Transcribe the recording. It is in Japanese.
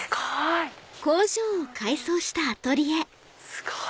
すごい！